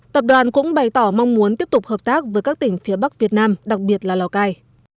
tập đoàn cũng bày tỏ mong muốn tiếp tục hợp tác với các tỉnh phía bắc việt nam đặc biệt là lào cai